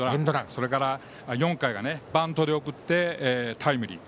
それから４回がバントで送ってタイムリー。